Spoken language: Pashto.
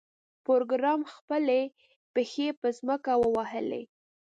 پروګرامر خپلې پښې په ځمکه ووهلې